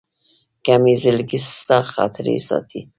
که مي زړګي ستا خاطرې ساتي